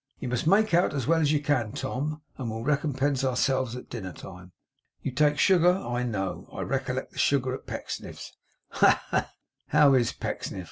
You must make out as well as you can, Tom, and we'll recompense ourselves at dinner time. You take sugar, I know; I recollect the sugar at Pecksniff's. Ha, ha, ha! How IS Pecksniff?